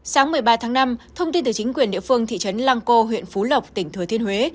sáng một mươi ba tháng năm thông tin từ chính quyền địa phương thị trấn lăng cô huyện phú lộc tỉnh thừa thiên huế